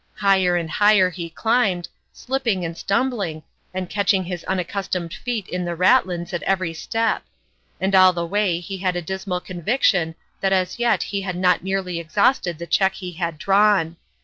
Higher and higher he climbed, slipping and stumbling, and catching his unaccustomed feet in the ratlins at every step ; and all the way he had a dismal conviction that as yet he had not nearly exhausted the check he had drawn.